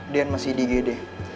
dian masih di gd